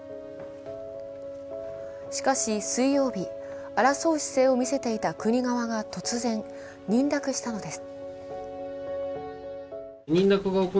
しかし水曜日、争う姿勢を見せていた国側が突然、認諾したのです。